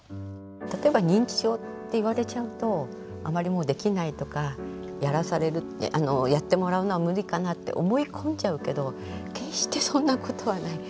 例えば認知症って言われちゃうとあまりもうできないとかやってもらうのは無理かなって思い込んじゃうけど決してそんなことはない。